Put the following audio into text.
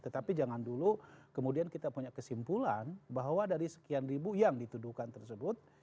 tetapi jangan dulu kemudian kita punya kesimpulan bahwa dari sekian ribu yang dituduhkan tersebut